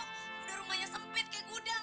udah rumahnya sempit kayak gudang